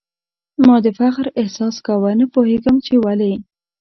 ما د فخر احساس کاوه ، نه پوهېږم چي ولي ؟